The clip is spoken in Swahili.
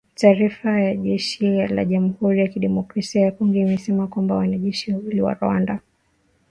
Taarifa ya jeshi la Jamuhuri ya Demokrasia ya Kongo imesema kwamba wanajeshi wawili wa Rwanda